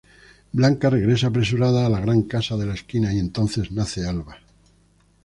Blanca regresa apresurada a la Gran Casa de la Esquina, y entonces nace Alba.